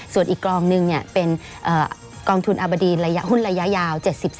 ส่วนอีกกองหนึ่งเป็นกองทุนอับบดีนหุ้นระยะยาว๗๐๓๐